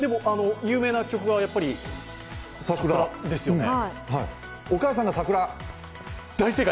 有名な曲はやっぱり「さくら」ですよね。